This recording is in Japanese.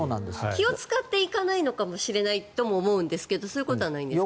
気を使って行かないのかもしれないとも思うんですがそういうことはないんですか？